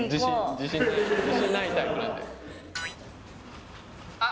自信ないタイプなんであっ